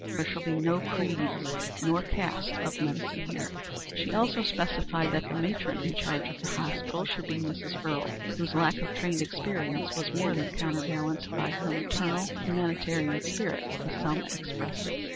There shall be no creeds nor caste of medicine here." She also specified that the matron in charge of the hospital should be Mrs. Earle, whose lack of trained experience was more than counterbalanced by her maternal, humanitarian spirit, as Selma expressed it.